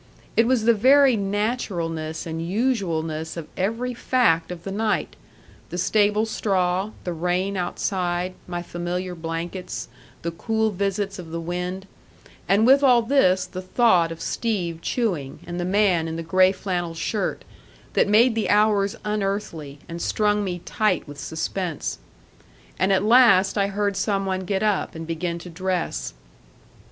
It was the very naturalness and usualness of every fact of the night, the stable straw, the rain outside, my familiar blankets, the cool visits of the wind, and with all this the thought of Steve chewing and the man in the gray flannel shirt, that made the hours unearthly and strung me tight with suspense. And at last I heard some one get up and begin to dress.